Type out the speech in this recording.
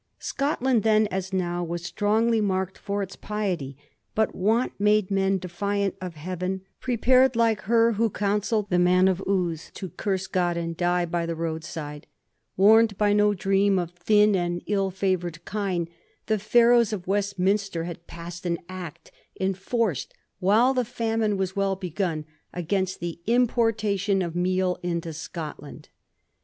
Scotland then, as now, was strongly marked for its piety, but want made men defiant of heaven, prepared, like her who counselled Digiti zed by Google 118 A HIbTORY OF THE FOUR GEORGES. ch. v. the man of Uz, to curse God and die by the roadside. Warned by no dream of thin and ill fevom^ kine, the Pharaohs of Westminster had passed an Act, enforced while the famine was well begim, against the importation of meal into Scotland.